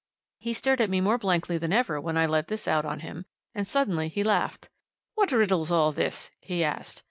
He stared at me more blankly than ever when I let this out on him, and suddenly he laughed. "What riddle's all this?" he asked.